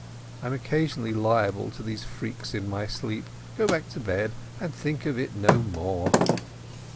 I am occasionally liable to these freaks in my sleep. Go to bed and think of it no more."